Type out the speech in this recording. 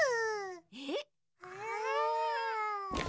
えっ！？